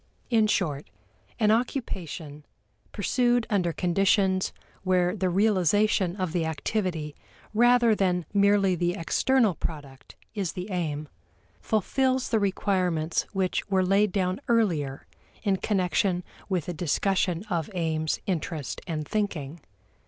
In short, an occupation, pursued under conditions where the realization of the activity rather than merely the external product is the aim, fulfills the requirements which were laid down earlier in connection with the discussion of aims, interest, and thinking.